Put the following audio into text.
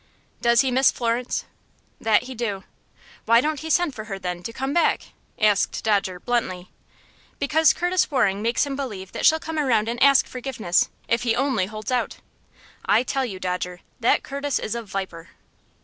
"Does he miss Florence?" "That he do." "Why don't he send for her, then, to come back?" asked Dodger, bluntly. "Because Curtis Waring makes him believe she'll come around and ask forgiveness, if he only holds out. I tell you, Dodger, that Curtis is a viper."